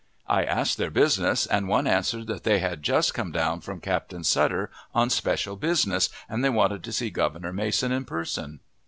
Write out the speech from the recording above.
I asked their business, and one answered that they had just come down from Captain Sutter on special business, and they wanted to see Governor Mason in person.